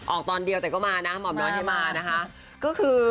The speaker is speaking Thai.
ออกตอนเดียวแต่ก็มานะหม่อมน้อยให้มานะคะก็คือ